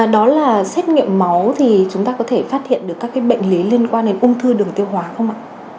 đó là xét nghiệm máu thì chúng ta có thể phát hiện được các bệnh lý liên quan đến ung thư đường tiêu hóa không ạ